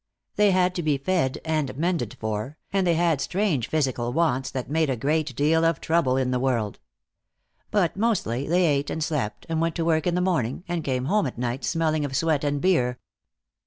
They had to be fed and mended for, and they had strange physical wants that made a great deal of trouble in the world. But mostly they ate and slept and went to work in the morning, and came home at night smelling of sweat and beer.